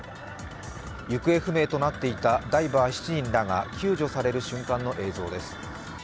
行方不明となっていたダイバー７人らが救助される瞬間の映像です。